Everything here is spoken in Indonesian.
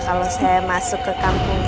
kalau saya masuk ke kampung